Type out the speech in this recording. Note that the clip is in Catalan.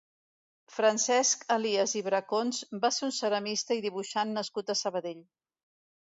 Francesc Elias i Bracons va ser un ceramista i dibuixant nascut a Sabadell.